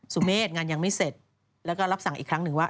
เมษงานยังไม่เสร็จแล้วก็รับสั่งอีกครั้งหนึ่งว่า